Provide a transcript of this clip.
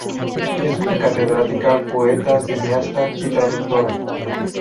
Es una catedrática, poeta, cineasta y traductora.